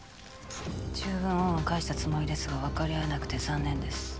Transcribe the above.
十分恩は返したつもりですが分かり合えなくて残念です。